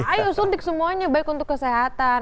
ayo suntik semuanya baik untuk kesehatan